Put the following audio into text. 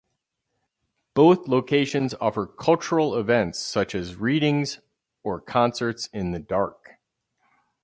Both locations offer cultural events such as readings or concerts in the dark.